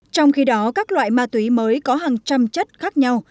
trong khi đó các loại ma túy mới có hàng trăm chất khác nhau